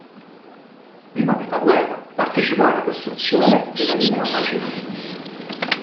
Prima della guerra partecipò alla costruzione della Linea Maginot.